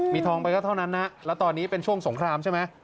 มีทองไปก็เท่านั้นนะแล้วตอนนี้เป็นช่วงสงครามใช่ไหม